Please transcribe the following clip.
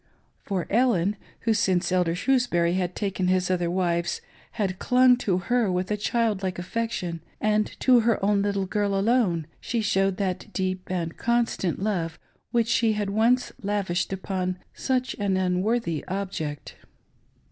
For Ellen, who since Elder Shrewsbury had taken his other wives had clung to her with a child like affection, and to her own little girl alone, shq showed that deep and constant love which she had once lavished upon such an unworthy object.